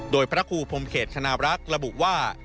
โดยพระครูพรมเขตคณรักษ์ระบุว่า